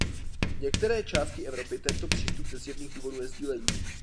Některé části Evropy tento přístup ze zjevných důvodů nesdílejí.